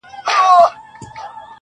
د ګدا لور ښایسته وه تکه سپینه!